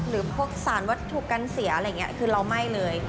หรือพวกสารวัตถุกัณฑ์เสียคือเราไม่เลย